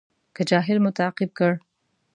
که جاهل مو تعقیب کړ.